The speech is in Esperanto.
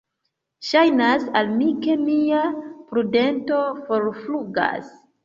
Ŝajnas al mi, ke mia prudento forflugas.